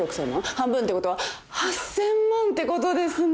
半分ってことは８，０００万ってことですね。